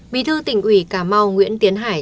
bí thư tỉnh ủy cà mau nguyễn tiến hải